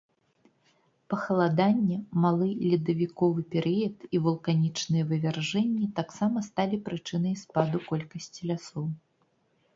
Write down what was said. Пахаладанне, малы ледавіковы перыяд і вулканічныя вывяржэнні таксама сталі прычынай спаду колькасці лясоў.